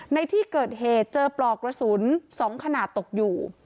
ในที่เกิดเหตุเจอปลอกกระสุน๒ขนาดตกอยู่